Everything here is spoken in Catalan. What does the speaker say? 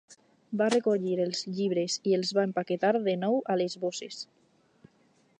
Va recollir els llibres i els va empaquetar de nou a les bosses.